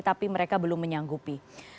tapi mereka belum menyanggupi